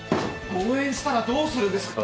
誤嚥したらどうするんですか。